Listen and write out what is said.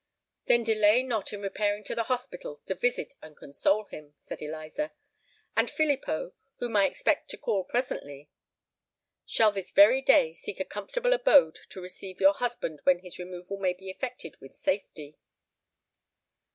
"Then delay not in repairing to the hospital to visit and console him," said Eliza, "and Filippo, whom I expect to call presently, shall this very day seek a comfortable abode to receive your husband when his removal may be effected with safety."